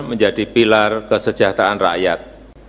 menjadi pilar kesejahteraan rakyat